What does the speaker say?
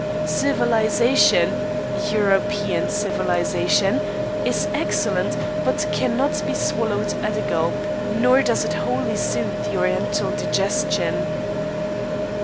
Civilisation European civilisation is excellent, but cannot be swallowed at a gulp, nor does it wholly suit the oriental digestion.